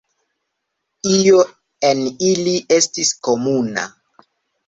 Io en ili estis komuna.